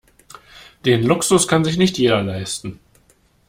Den Luxus kann sich nicht jeder leisten.